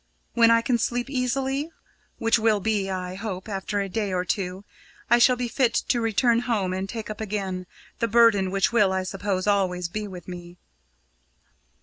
When I can sleep easily which will be, I hope, after a day or two I shall be fit to return home and take up again the burden which will, I suppose, always be with me.